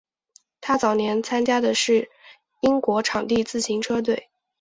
他早年参加的是英国场地自行车队。